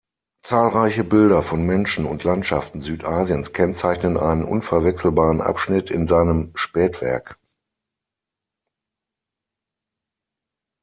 Zahlreiche Bilder von Menschen und Landschaften Südasiens kennzeichnen einen unverwechselbaren Abschnitt in seinem Spätwerk.